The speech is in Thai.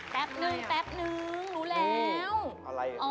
ปั๊บนึงรูแล้ว